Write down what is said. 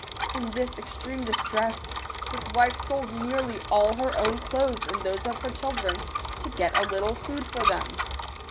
In this extreme distress, his wife sold nearly all her own clothes and those of her children, to get a little food for them.